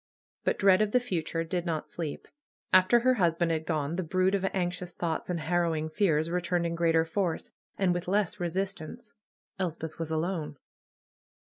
But dread of the future did not sleep. After her husband had gone the brood of anxious thoughts and harrowing fears returned in greater force, and with less resistance. Elspeth was alone.